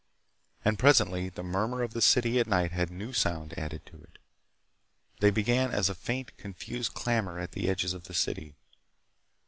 And presently the murmur of the city at night had new sounds added to it. They began as a faint, confused clamor at the edges of the city.